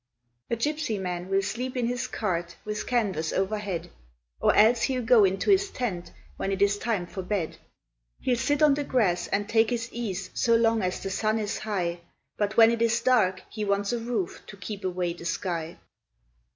A gypsy man will sleep in his cart with canvas overhead; Or else he'll go into his tent when it is time for bed. He'll sit on the grass and take his ease so long as the sun is high, But when it is dark he wants a roof to keep away the sky.